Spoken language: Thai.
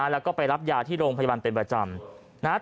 แล้วก็ไปรับยาที่โรงพยาบาลเป็นประจำนะครับ